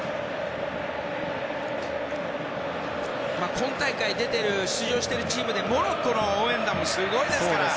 今大会、出場しているチームでモロッコの応援団もすごいですから。